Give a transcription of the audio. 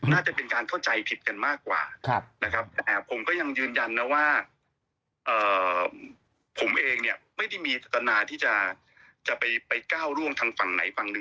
น่าจะเป็นการเข้าใจผิดกันมากกว่านะครับแต่ผมก็ยังยืนยันนะว่าผมเองเนี่ยไม่ได้มีจัตนาที่จะไปก้าวร่วงทางฝั่งไหนฝั่งหนึ่ง